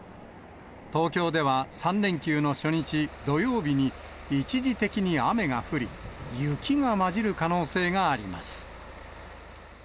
東京では３連休の初日、土曜日に、一時的に雨が降り、雪が交じる可能性があります。